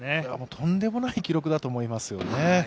とんでもない記録だと思いますよね。